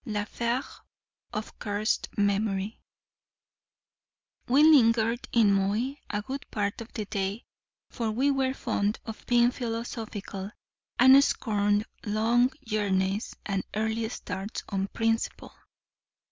LA FÈRE OF CURSED MEMORY WE lingered in Moy a good part of the day, for we were fond of being philosophical, and scorned long journeys and early starts on principle.